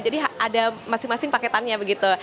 jadi ada masing masing paketannya begitu